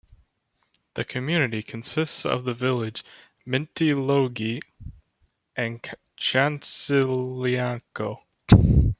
The community consists of the villages Mintilogli and Chantziliako.